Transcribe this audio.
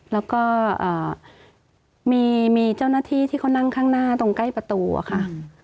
แล้วก็มีเจ้าหน้าที่ที่เขานั่งข้างหน้าตรงใกล้ประตูอะค่ะ